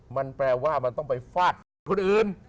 มันแปลว่ามันต้องไปฝ้าขี้คนอื่น